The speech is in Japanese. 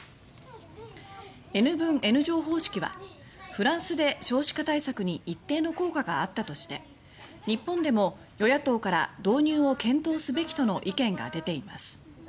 Ｎ分Ｎ乗方式はフランスで少子化対策に一定の効果があったとして日本でも与野党から導入を検討すべきとの意見が出ています。